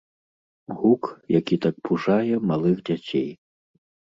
Гук, які так пужае малых дзяцей.